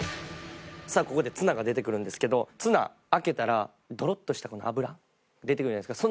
さあここでツナが出てくるんですけどツナ開けたらドロっとしたこの油出てくるじゃないですか。